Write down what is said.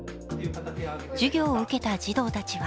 授業を受けた児童たちは